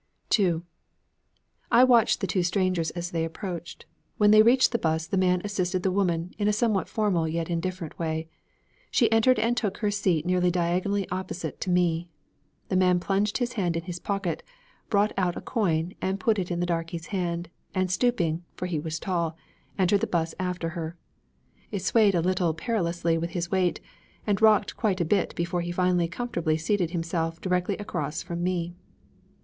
II I watched the two strangers as they approached. When they reached the 'bus the man assisted the woman, in a somewhat formal yet indifferent way. She entered and took her seat nearly diagonally opposite to me. The man plunged his hand in his pocket, brought out a coin, and put it in the darkey's hand, and stooping, for he was tall, entered the 'bus after her. It swayed a little perilously with his weight, and rocked quite a bit before he finally comfortably seated himself directly across from me.